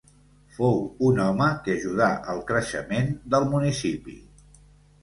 Fou un home que ajudà al creixement del municipi.